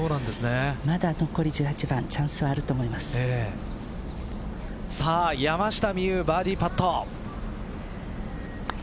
まだ残り１８番チャンスは山下美夢有バーディーパット。